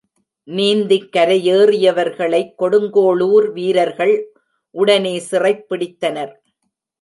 நீந்திக் கரையேறியவர்களை கொடுங்கோளுர் வீரர்கள் உடனே சிறைப் பிடித்தனர்.